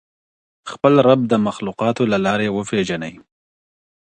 خپل رب د مخلوقاتو له لارې وپيژنئ.